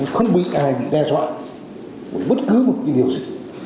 không bị ai bị đe dọa bởi bất cứ một cái điều gì